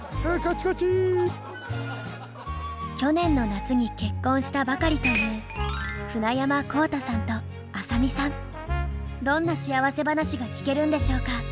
去年の夏に結婚したばかりというどんな幸せ話が聞けるんでしょうか？